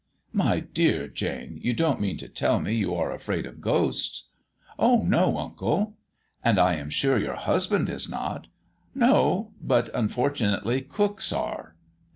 "My dear Jane, you don't mean to tell me you are afraid of ghosts?" "Oh no, Uncle." "And I am sure your husband is not?" "No; but unfortunately cooks are."